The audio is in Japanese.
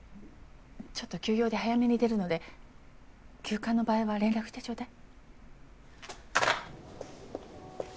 ちょっと急用で早めに出るので急患の場合は連絡してちょうだい。